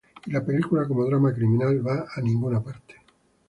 Y la película, como drama criminal, va a ninguna parte.